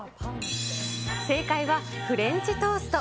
正解はフレンチトースト。